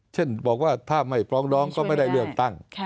เช่นบอกว่าถ้าไม่ฟ้องร้องก็ไม่ได้เลือกตั้ง